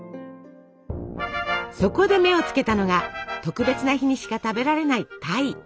そこで目を付けたのが特別な日にしか食べられない鯛。